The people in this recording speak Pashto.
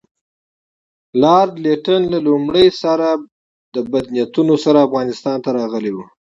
لارډ لیټن له لومړي سره بد نیتونو سره افغانستان ته راغلی وو.